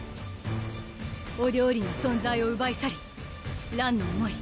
お料理の存在をうばい去りらんの思い